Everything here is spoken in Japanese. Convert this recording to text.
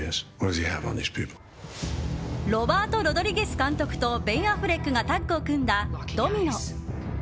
ロバート・ロドリゲス監督とベン・アフレックがタッグを組んだ「ドミノ」。